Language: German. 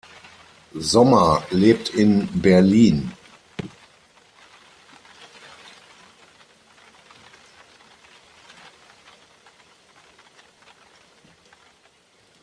Sommer lebt in Berlin.